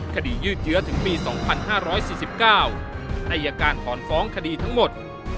คดียืดเยอะถึงปี๒๕๔๙ในอาการถอนฟ้องคดีทั้งหมด